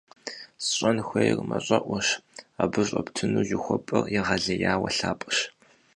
СщӀэн хуейр мащӀэӀуэщ, абы щӀэптыну жыхуэпӀэр егъэлеяуэ лъапӀэщ!